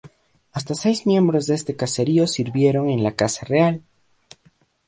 Hasta seis miembros de este caserío sirvieron en la Casa Real.